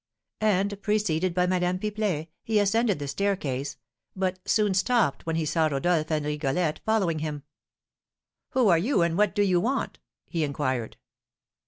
And, preceded by Madame Pipelet, he ascended the staircase, but soon stopped when he saw Rodolph and Rigolette following him. "Who are you, and what do you want?" he inquired.